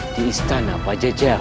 di istana pajajari